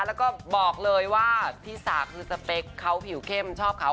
แล้วก็บอกเลยว่าพี่สาคือสเปคเขาผิวเข้มชอบเขา